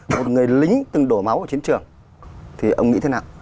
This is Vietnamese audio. một người lính từng đổ máu ở chiến trường